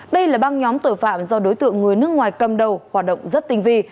đây là băng nhóm tội phạm do đối tượng người nước ngoài cầm đầu hoạt động rất tinh vi